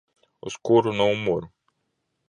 Uz kuru numuru?